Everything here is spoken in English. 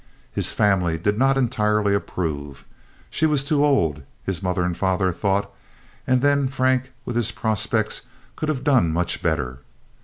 His family did not entirely approve. She was too old, his mother and father thought, and then Frank, with his prospects, could have done much better.